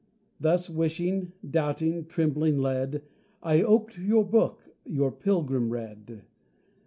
Thus, wishing, doubting, trembling led, I oped your book, your Pilgrim read.